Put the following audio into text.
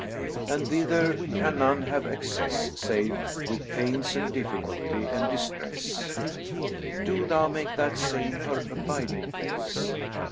and thither can none have access, save with pains and difficulty and distress: do thou make that same her abiding place."